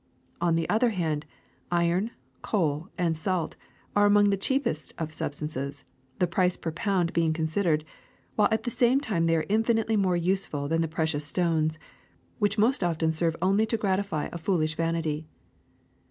On the other hand, iron, coal, and salt are among the cheapest of sub stances, the price per pound being considered, while at the same time they are infinitely more useful than the precious stones, which most often serve only to gratify a foolish vanity.